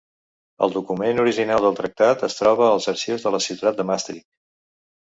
El document original del tractat es troba als arxius de la ciutat de Maastricht.